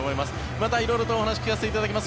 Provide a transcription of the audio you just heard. また色々とお話を聞かせていただきます。